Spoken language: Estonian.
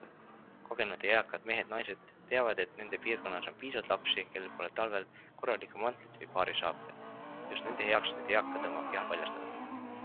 Kogenud ja eakad mehed-naised teavad, et nende piirkonnas on piisavalt lapsi, kellel pole talvel korralikku mantlit või paari saapaid - just nende heaks need eakad oma keha paljastavad.